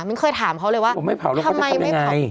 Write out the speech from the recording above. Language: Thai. เคยถามเขาเลยว่าทำไมไม่เผา